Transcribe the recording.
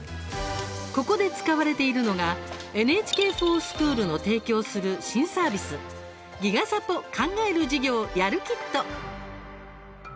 ここで使われているのが「ＮＨＫｆｏｒＳｃｈｏｏｌ」の提供する新サービス「ＧＩＧＡサポ考える授業やるキット！」。